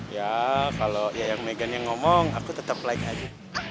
ya kalau yang meghan yang ngomong aku tetap like aja